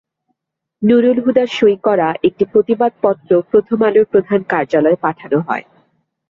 নুরুল হুদার সই করা একটি প্রতিবাদপত্র প্রথম আলোর প্রধান কার্যালয়ে পাঠানো হয়।